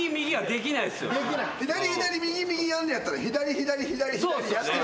左左右右やんのやったら左左左左やってるはずや。